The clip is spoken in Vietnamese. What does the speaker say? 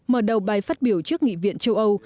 mở đầu bài phát biểu trước nghị viện châu âu